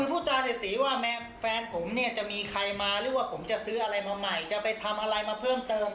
คือพูดจาเศรษฐีว่าแม่แฟนผมเนี่ยจะมีใครมาหรือว่าผมจะซื้ออะไรมาใหม่